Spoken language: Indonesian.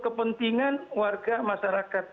kepentingan warga masyarakat